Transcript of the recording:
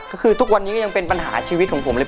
ก็คือทุกวันนี้ก็ยังเป็นปัญหาชีวิตของผมเลย